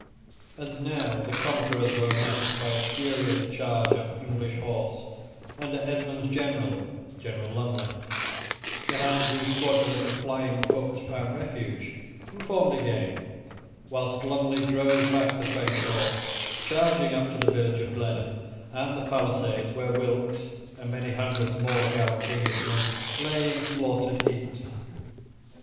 And now the conquerors were met by a furious charge of English horse under Esmond's general, General Lumley, behind whose squadrons the flying foot found refuge, and formed again, whilst Lumley drove back the French horse, charging up to the village of Blenheim and the palisades where Wilkes, and many hundred more gallant Englishmen, lay in slaughtered heaps.